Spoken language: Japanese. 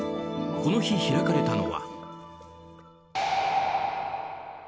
この日、開かれたのは。